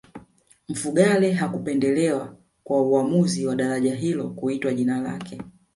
mfugale hakupendelewa kwa uamuzi wa daraja hilo kuitwa jina lake